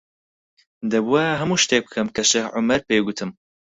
دەبووایە هەموو شتێک بکەم کە شێخ عومەر پێی گوتم.